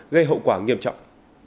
gây hậu quả nghiêm trọng